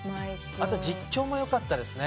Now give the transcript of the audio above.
あと実況もよかったですね。